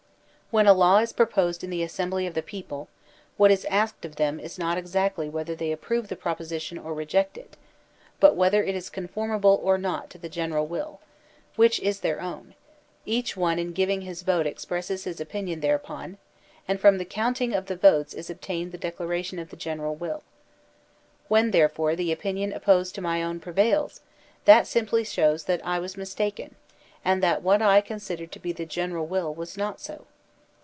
When a law is proposed in the assembly of the people, what is asked of them is not exactly whether they approve the proposition or reject it, but whether it is conformable or not to the general will, which is their own; each one in giving his vote expresses his opinion thereupon; and from the counting of the votes is obtained the declaration of the general will. When, therefore, the opinion opposed to my own prevails, that simply shows that I was mis taken, and that what I considered to be the general will was not so.